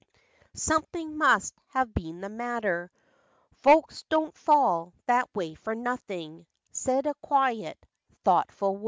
"Something must have been the matter, Folks do n't fall that way for nothing," Said a quiet, thoughtful woman.